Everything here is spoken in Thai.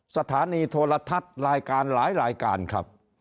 สถานีโทรทัศน์รายการหลายรายการครับ